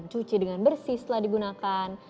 cuci dengan bersih setelah digunakan